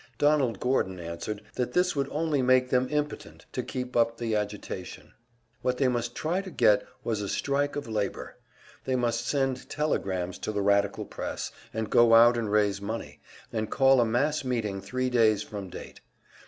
Donald Gordon answered that this would only make them impotent to keep up the agitation. What they must try to get was a strike of labor. They must send telegrams to the radical press, and go out and raise money, and call a mass meeting three days from date.